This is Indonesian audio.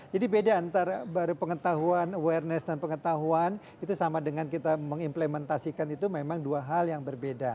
jadi beda antara pengetahuan awareness dan pengetahuan itu sama dengan kita mengimplementasikan itu memang dua hal yang berbeda